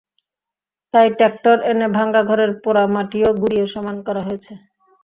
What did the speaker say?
তাই ট্রাক্টর এনে ভাঙা ঘরের পোড়া মাটিও গুঁড়িয়ে সমান করা হয়েছে।